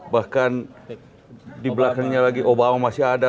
bahkan di belakangnya lagi obama masih ada